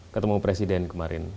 ketemu presiden kemarin